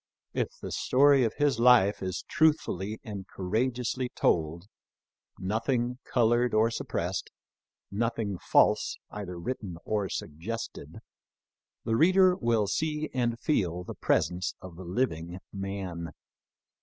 If the story of his life is truthfully and courageously told — nothing colored or suppressed ; nothing false either written or suggested — the reader will see and feel the presence of the living man.